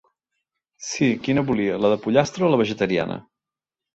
Sí, quina volia, la de pollastre o la vegetariana?